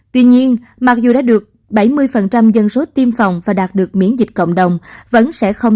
tuy nhiên mặc dù đã được bảy mươi dân số tiêm phòng và đạt được miễn dịch cộng đồng vẫn sẽ không